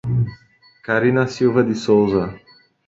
Carina Silva de Souza